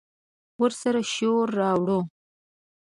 ورسره شور، راوړه